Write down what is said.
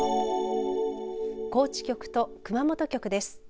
高知局と熊本局です。